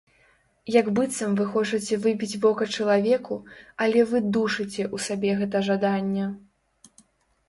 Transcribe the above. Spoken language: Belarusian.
Як быццам вы хочаце выбіць вока чалавеку, але вы душыце ў сабе гэта жаданне.